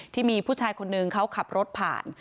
ที่มีผู้ชายคนนึงเขาขับรถผ่าน